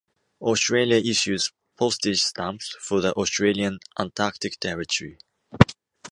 Australia issues postage stamps for the Australian Antarctic Territory.